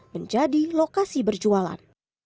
menjadi lokasi berjualan